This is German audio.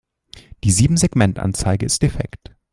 Die Siebensegmentanzeige ist defekt.